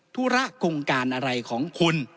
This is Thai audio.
ธุระโครงการอะไรของคุณ